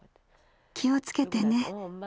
気をつけてね」。